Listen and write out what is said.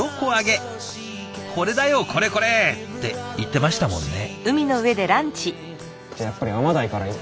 「これだよこれこれ」って言ってましたもんね。